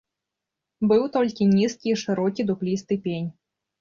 Быў толькі нізкі і шырокі дуплісты пень.